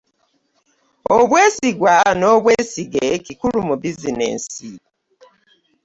Obwesigwa nobwesige kikulu mu bizinensi.